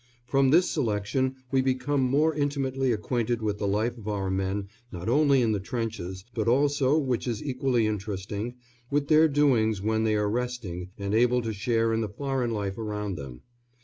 From this selection we become more intimately acquainted with the life of our men not only in the trenches but also, which is equally interesting, with their doings when they are resting and able to share in the foreign life around them.